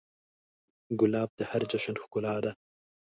ګلاب د هر جشن ښکلا ده.